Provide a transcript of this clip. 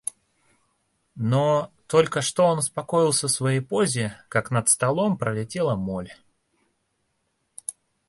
Но, только что он успокоился в своей позе, как над столом пролетела моль.